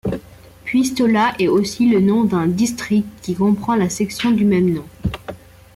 Puistola est aussi le nom d'un district qui comprend la section de même nom.